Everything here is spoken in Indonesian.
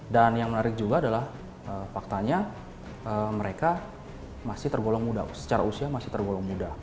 dan yang menarik juga adalah faktanya mereka masih tergolong muda secara usia masih tergolong muda